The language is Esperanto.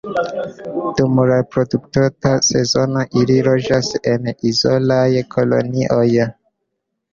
Dum la reprodukta sezono ili loĝas en izolaj kolonioj.